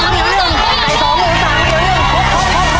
ใกล้สองหมูสามเขาเดี๋ยวหนึ่ง